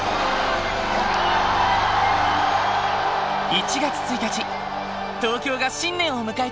１月１日東京が新年を迎えた。